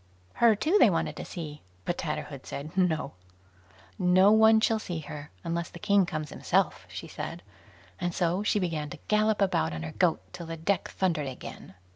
Her, too, they wanted to see, but Tatterhood said "No": "No one shall see her, unless the king comes himself", she said; and so she began to gallop about on her goat till the deck thundered again.